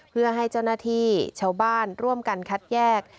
เพื่อให้เจ้าหน้าที่ชาวบ้านร่วมกันคัดแยก